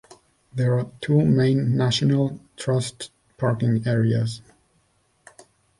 There are two main National Trust parking areas.